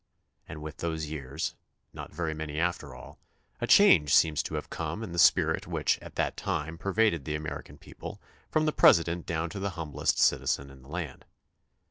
And with those years, not very many after all, a change seems to have come in the spirit which at that time pervaded the American people from the President down to the humblest citizen in the land.